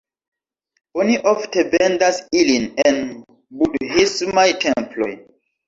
Oni ofte vendas ilin en budhismaj temploj.